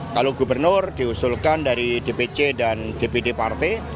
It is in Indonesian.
kalau gubernur diusulkan dari dpc dan dpd partai